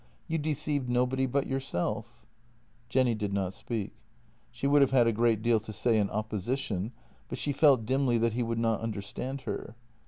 You deceived nobody but yourself." Jenny did not speak. She would have had a great deal to say in opposition, but she felt dimly that he would not un derstand her.